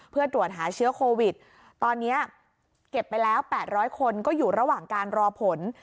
เพื่อตรวจหาเชื้อโควิดตอนนี้เก็บไปแล้ว๘๐๐คนก็อยู่ระหว่างการรอผล